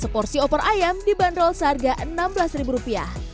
satu porsi opor ayam dibanderol seharga rp enam belas